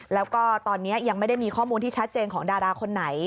แล้วก็ตอนนี้ยังไม่ได้มีข้อมูลที่ชัดเจนของดาราคนไหน